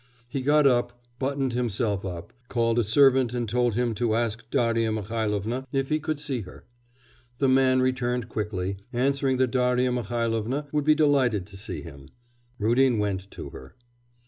He got up, buttoned himself up, called a servant and told him to ask Darya Mihailovna if he could see her. The man returned quickly, answering that Darya Mihailovna would be delighted to see him. Rudin went to her.